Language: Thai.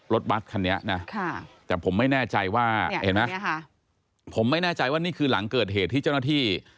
รถบัตรคันนี้นะแต่ผมไม่แน่ใจว่าเห็นไหมผมไม่แน่ใจว่านี่คือหลังเกิดเหตุที่เจ้าหน้าที่